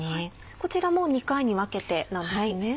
こちらも２回に分けてなんですね？